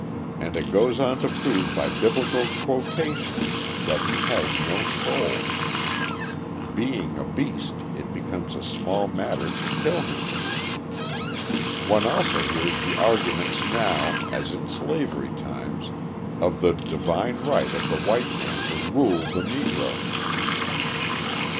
and it goes on to prove by Biblical quotation that he has no soul! Being a beast, it becomes a small matter to kill him. One also hears the argument now, as in slavery times, of the divine right of the white man to rule the Negro.